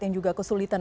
yang juga kesulitan